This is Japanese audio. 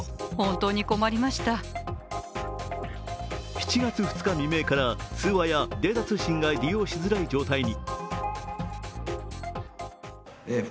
７月２日未明から、通話やデータ通信が利用しづらい状態に。